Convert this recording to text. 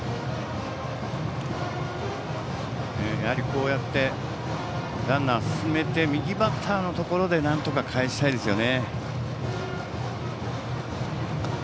こうやってランナーを進めて右バッターのところでなんとかかえしたいですよね。